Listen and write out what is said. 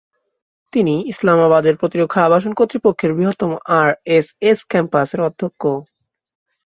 তিনি ইসলামাবাদের প্রতিরক্ষা আবাসন কর্তৃপক্ষের বৃহত্তম আরএসএস ক্যাম্পাসের অধ্যক্ষ।